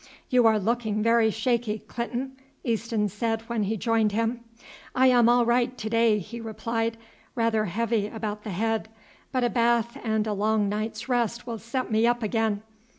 "You are looking very shaky, Clinton," Easton said when he joined him. "I am all right to day," he replied; "rather heavy about the head; but a bath and a long night's rest will set me up again.